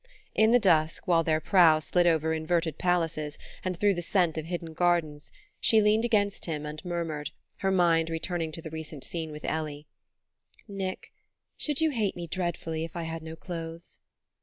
In the dusk, while their prow slid over inverted palaces, and through the scent of hidden gardens, she leaned against him and murmured, her mind returning to the recent scene with Ellie: "Nick, should you hate me dreadfully if I had no clothes?"